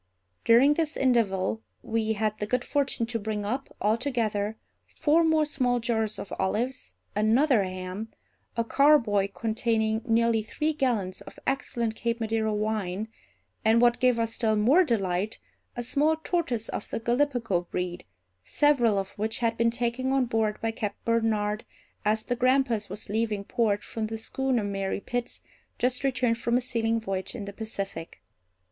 During this interval we had the good fortune to bring up, altogether, four more small jars of olives, another ham, a carboy containing nearly three gallons of excellent Cape Madeira wine, and, what gave us still more delight, a small tortoise of the Gallipago breed, several of which had been taken on board by Captain Barnard, as the Grampus was leaving port, from the schooner Mary Pitts, just returned from a sealing voyage in the Pacific.